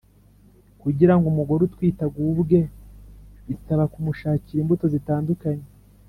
Kugira ngo umugore utwite agubwe bisaba kumushakira imbuto zitandukanye